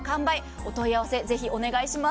お問い合わせ、ぜひお願いします。